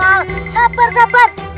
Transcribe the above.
udah pak ustadz